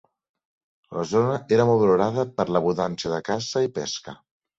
La zona era molt valorada per l'abundància de caça i pesca.